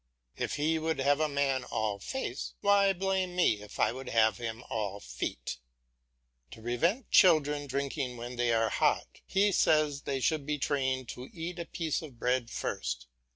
If he would have a man all face, why blame me if I would have him all feet? To prevent children drinking when they are hot, he says they should be trained to eat a piece of bread first.